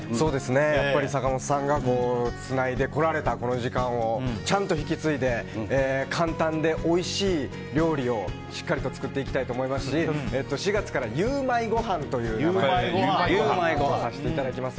やっぱり坂本さんがつないでこられたこの時間をちゃんと引き継いで簡単でおいしい料理をしっかりと作っていきたいと思いますし４月からゆウマいごはんという名前でやらせていただきます。